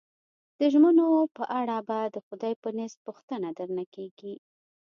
د ژمنو په اړه به د خدای په نزد پوښتنه درنه کېږي.